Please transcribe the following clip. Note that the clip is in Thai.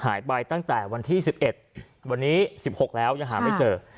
หายไปตั้งแต่วันที่๑๑วันนี้๑๖แล้วยังหาไม่เจอ